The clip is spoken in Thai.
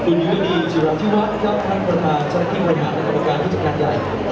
คุณยูนีจิรัทธิวัฒน์กรรมชาติพิมพ์บริหารและกรรมการวิจักรใหญ่